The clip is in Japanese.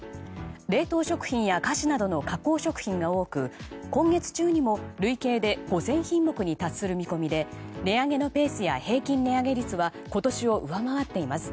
冷凍食品や菓子などの加工食品が多く今月中にも、累計で５０００品目に達する見込みで値上げのペースや平均値上げ率は今年を上回っています。